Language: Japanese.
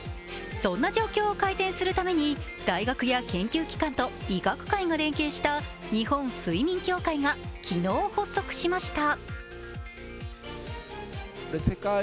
そんな状況を改善するために、大学や研究機関と医学界が連携した日本睡眠協会が昨日、発足しました。